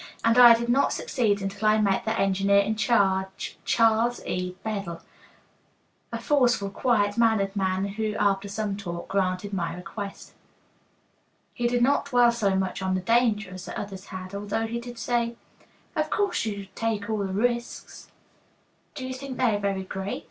And I did not succeed until I met the engineer in charge, Charles E. Bedell, a forceful, quiet mannered man, who, after some talk, granted my request. He did not dwell so much on the danger as the others had, although he did say: "Of course you take all the risks." "Do you think they are very great?"